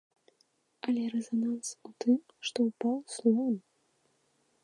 Але рэзананс у тым, што ўпаў слон!